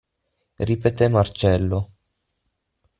Ripetè Marcello.